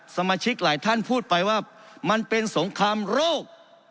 สมาชิกหลายท่านพูดไปว่ามันเป็นสงครามโรค